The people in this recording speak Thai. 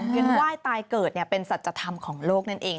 เงินไหว้ตายเกิดเป็นสัจธรรมของโลกนั่นเอง